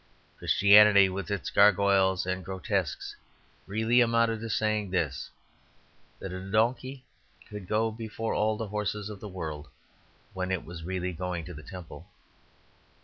Christianity, with its gargoyles and grotesques, really amounted to saying this: that a donkey could go before all the horses of the world when it was really going to the temple.